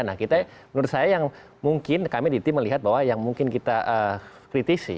nah kita menurut saya yang mungkin kami di tim melihat bahwa yang mungkin kita kritisi